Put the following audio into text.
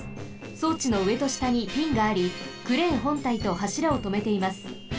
そうちのうえとしたにピンがありクレーンほんたいとはしらをとめています。